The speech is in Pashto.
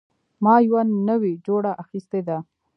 ما یوه نوې جوړه اخیستې ده